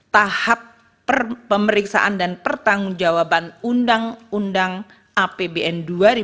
tahap pemeriksaan dan pertanggung jawaban undang undang apbn dua ribu dua puluh